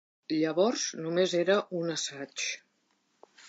Llavors només era un assaig.